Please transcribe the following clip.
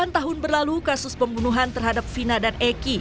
delapan tahun berlalu kasus pembunuhan terhadap vina dan eki